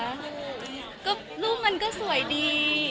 อะไรนะคะก็รูปมันก็สวยดี